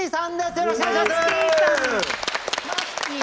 よろしくお願いします。